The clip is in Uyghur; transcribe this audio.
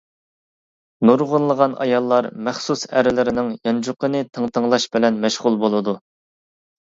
نۇرغۇنلىغان ئاياللار مەخسۇس ئەرلىرىنىڭ يانچۇقىنى تىڭتىڭلاش بىلەن مەشغۇل بولىدۇ.